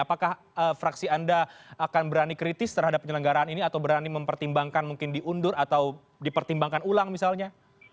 apakah fraksi anda akan berani kritis terhadap penyelenggaraan ini atau berani mempertimbangkan mungkin diundur atau dipertimbangkan ulang misalnya